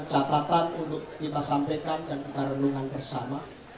dan catatan untuk kita sampaikan dan kita renungkan bersama